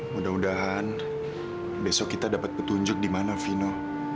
mudah mudahan besok kita dapat petunjuk dimana vino